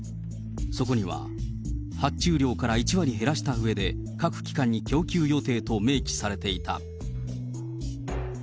そこには、発注量から１割減らしたうえで、各機関に供給予定と明記されていた。